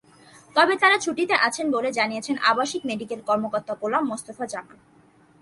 তবে তাঁরা ছুটিতে আছেন বলে জানিয়েছেন আবাসিক মেডিকেল কর্মকর্তা গোলাম মোস্তফা জামাল।